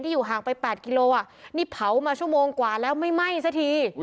อยู่ห่างไป๘กิโลนี่เผามาชั่วโมงกว่าแล้วไม่ไหม้สักที